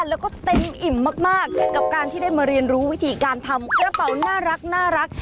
แล้วก็เต็มอิ่มมากกับการที่ได้มาเรียนรู้วิธีการทำกระเป๋าน่ารัก